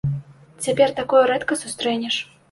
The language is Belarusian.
Цяпер такое рэдка сустрэнеш.